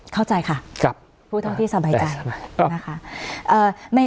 เข้าใจค่ะพูดเท่าที่สบายใจนะคะ